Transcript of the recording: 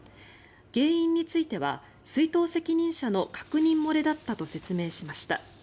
原因については出納責任者の確認漏れだったと説明しました。